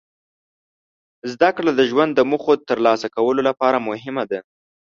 زدهکړه د ژوند د موخو ترلاسه کولو لپاره مهمه ده.